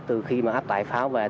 từ khi mà áp tải pháo về